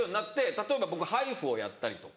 例えば僕ハイフをやったりとか。